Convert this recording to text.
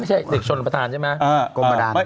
ไม่ใช่เด็กชนประธานใช่ไหม